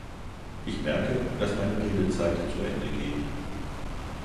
Ich merke, dass meine Redezeit zu Ende geht.